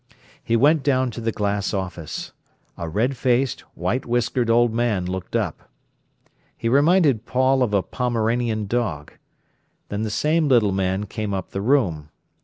He went down to the glass office. A red faced, white whiskered old man looked up. He reminded Paul of a pomeranian dog. Then the same little man came up the room.